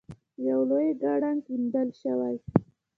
یو لوی کړنګ کیندل شوی.